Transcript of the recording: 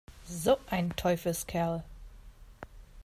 So ein Teufelskerl!